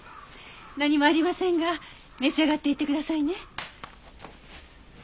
何もありませんが召し上がっていってくださいね。